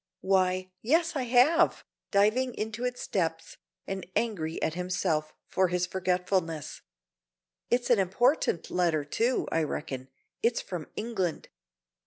"Why, yes, I have," diving into its depths, and angry at himself for his forgetfulness; "it's an important letter, too, I reckon; it's from England."